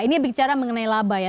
ini bicara mengenai laba ya